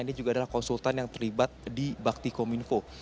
ini juga adalah konsultan yang terlibat di bakti kominfo